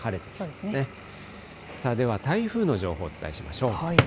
では台風の情報をお伝えしましょう。